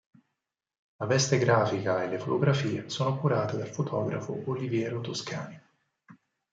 La veste grafica e le fotografie sono curate dal fotografo Oliviero Toscani.